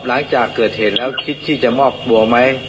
หลังจากเกิดเหตุแล้วคิดที่จะมอบตัวไหม